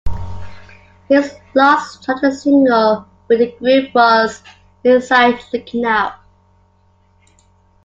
His last charted single with the group was "Inside Looking Out".